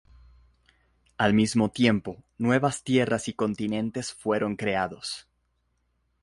Al mismo tiempo, nuevas tierras y continentes fueron creados.